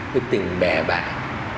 những cái tình bè bạn